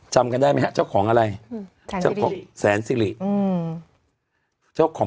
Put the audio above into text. จำกันได้ไหมฮะเจ้าของอะไรเจ้าของแสนสิริอืมเจ้าของ